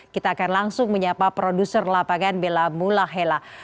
kita akan langsung menyapa produser lapangan bella mulahela